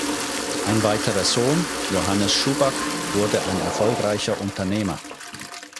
Ein weiterer Sohn, Johannes Schuback, wurde ein erfolgreicher Unternehmer.